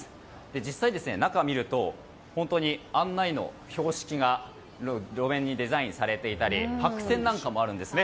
実際に、中を見ると本当に、案内の標識が路面にデザインされていたり白線なんかもあるんですね。